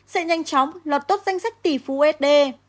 sẽ nhanh chóng lọt tốt danh sách tỷ phú sd